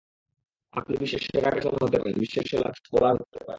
আপনি বিশ্বের সেরা ব্যাটসম্যান হতে পারেন, বিশ্বের সেরা বোলার হতে পারেন।